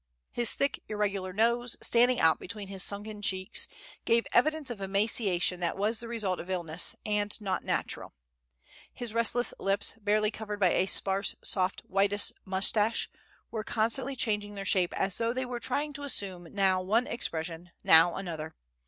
His thick, irregular nose, standing out between his sunken cheeks, gave evidence of emaciation that was the result of illness, and not natural. His restless lips, barely covered by a sparse, soft, whitish moustache, were constantly changing their shape as though they were trying to assume now one expression, now another.